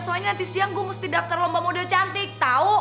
soalnya nanti siang gue mesti daftar lomba model cantik tau